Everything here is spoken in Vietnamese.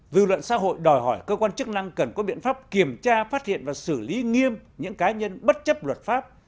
dư luận xã hội đòi hỏi cơ quan chức năng cần có biện pháp kiểm tra phát hiện và xử lý nghiêm những cá nhân bất chấp luật pháp